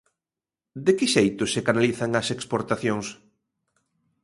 De que xeito se canalizan as exportacións?